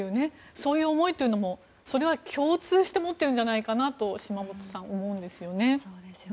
そういう思いというのもそれは共通して持ってるんじゃないかなと島本さん、思うんですよね。